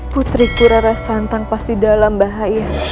putriku rara santang pasti dalam bahaya